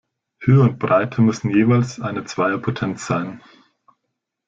Höhe und Breite müssen jeweils eine Zweierpotenz sein.